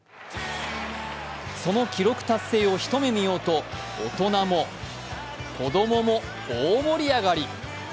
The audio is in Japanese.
その記録達成を一目見ようと大人も子供も大盛り上がり。